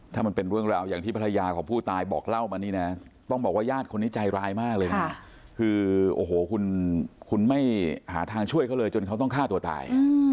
ถ้ามันเป็นเรื่องราวอย่างที่ภรรยาของผู้ตายบอกเล่ามานี่นะต้องบอกว่าญาติคนนี้ใจร้ายมากเลยนะคือโอ้โหคุณไม่หาทางช่วยเขาเลยจนเขาต้องฆ่าตัวตาย